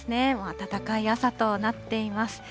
暖かい朝となっています。